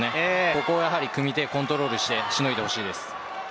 ここは組み手をコントロールしてしのいでほしいです。